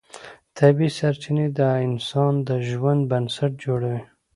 طبیعي سرچینې د انسان د ژوند بنسټ جوړوي